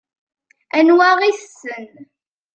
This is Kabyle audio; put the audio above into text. Anwa i tessen?